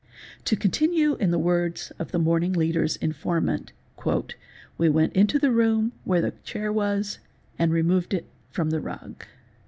Te continue in the words of the "Morning Leader's"' informant 'we went into the room where the chair was, and removed it from the rug.